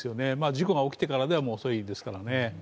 事故が起きてからでは遅いですからね。